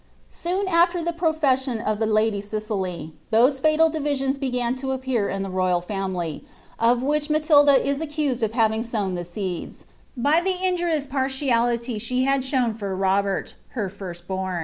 Soon after the profession of the lady Cicely, those fiital divisions beeu to appear in the royal family, of which Matilda is accused of havuig sown the seeds, by tile injurious partiality which she hod shown for Boben, her first bom.